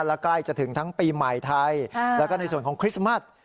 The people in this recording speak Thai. และใกล้จะถึงทั้งปีใหม่ไทยแล้วก็ในส่วนของคริสต์มัส